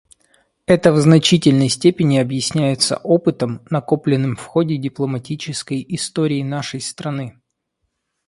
Это в значительной степени объясняется опытом, накопленным в ходе дипломатической истории нашей страны.